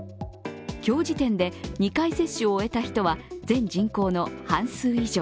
今日時点で、２回接種を終えた人は全人口の半数以上。